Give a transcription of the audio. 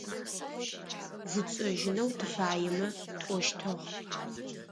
Зытшӏэжьынэу тыфаемэ тӏощтыгъ.